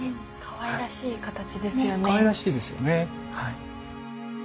かわいらしいですよねはい。